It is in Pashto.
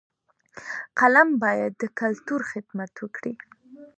فلم باید د کلتور خدمت وکړي